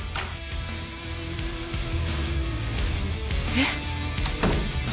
・えっ？